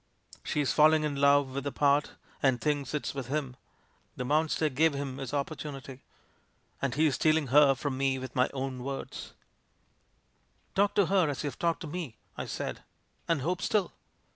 She's falling in love with the part, and thinks it's with him. The monster gave him his opportunity — and he^s stealing her from me with my own words'/' "Talk to her as you've talked to me," I said, "and hope still."